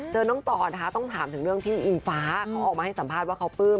น้องต่อนะคะต้องถามถึงเรื่องที่อิงฟ้าเขาออกมาให้สัมภาษณ์ว่าเขาปลื้ม